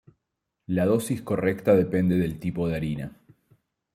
La dosis correcta depende del tipo de harina.